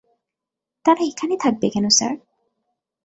তারা এখানে থাকবে কেন, স্যার?